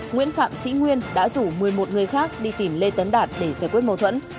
nguyễn phạm sĩ nguyên đã rủ một mươi một người khác đi tìm lê tấn đạt để giải quyết mâu thuẫn